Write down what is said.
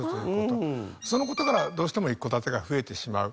その事からどうしても一戸建てが増えてしまう。